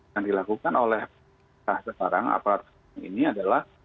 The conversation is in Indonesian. yang dilakukan oleh sah sebarang aparat ini adalah